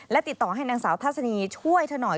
และติดต่อให้นางสาวทัศนีช่วยเธอหน่อย